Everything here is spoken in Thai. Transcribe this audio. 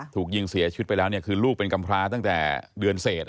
ถูกยิงเสียชีวิตไปแล้วคือลูกเป็นกำพร้าตั้งแต่เดือนเศษ